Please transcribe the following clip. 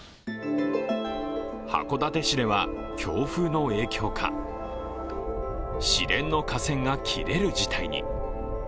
函館市では強風の影響か、市電の架線が切れる事態に。